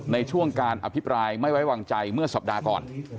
ในช่วงการอภิปรายไม่ไว้วางใจเมื่อสัปดาห์ก่อน